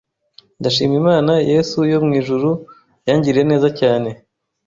Ndashima Yesu yo mu ijuru yangiriye neza cyane